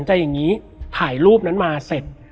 แล้วสักครั้งหนึ่งเขารู้สึกอึดอัดที่หน้าอก